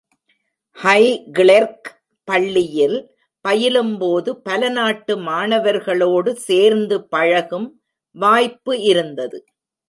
Highclere பள்ளியில் பயிலும்போது பல நாட்டு மாணவர்களோடு சேர்ந்து பழகும் வாய்ப்பு இருந்தது.